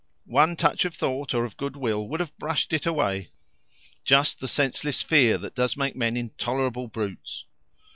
One touch of thought or of goodwill would have brushed it away. Just the senseless fear that does make men intolerable brutes."